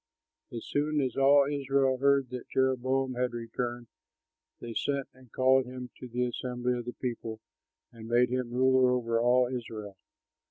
As soon as all Israel heard that Jeroboam had returned, they sent and called him to the assembly of the people and made him ruler over all Israel.